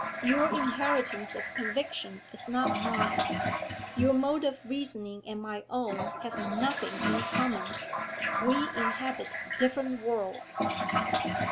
Your inheritance of conviction is not mine; your mode of reasoning and my own have nothing in common. We inhabit different worlds.'